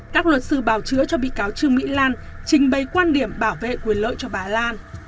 các luật sư bảo chữa cho bị cáo trương mỹ lan trình bày quan điểm bảo vệ quyền lợi cho bà lan